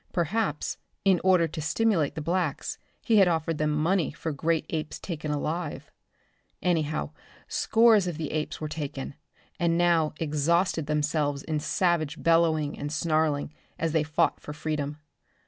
Perhaps, in order to stimulate the blacks, he had offered them money for great apes taken alive. Anyhow, scores of the apes were taken, and now exhausted themselves in savage bellowing and snarling, as they fought for freedom.